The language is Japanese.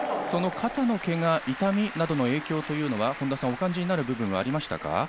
その肩のけが、痛みなどの影響というのは本田さん、お感じになる部分はありましたか？